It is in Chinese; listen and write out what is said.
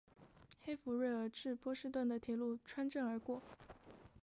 黑弗瑞尔至波士顿的铁路穿镇而过。